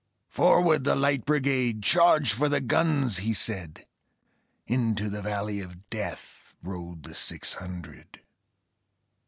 "Forward, the Light Brigade! Charge for the guns!" he said; Into the valley of Death Rode the six hundred.